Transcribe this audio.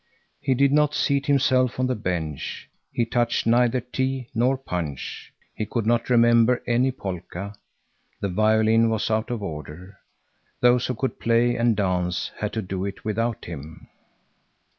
He did not seat himself on the bench; he touched neither tea nor punch; he could not remember any polka; the violin was out of order. Those who could play and dance had to do it without him.